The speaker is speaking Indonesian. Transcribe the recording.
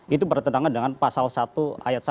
itu bertentangan dengan pasal satu ayat satu